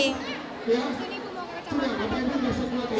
di sini pun mau ke kecamatan